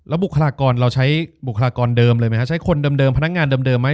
บุคลากรเราใช้บุคลากรเดิมเลยไหมฮะใช้คนเดิมพนักงานเดิมไหม